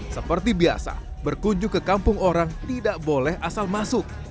seperti biasa berkunjung ke kampung orang tidak boleh asal masuk